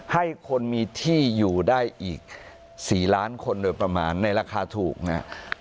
ให้คนมีที่อยู่ได้อีก๔ล้านคนโดยประมาณในราคาถูกนะครับ